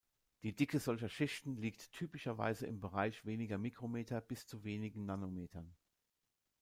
Die Dicke solcher Schichten liegt typischerweise im Bereich weniger Mikrometer bis zu wenigen Nanometern.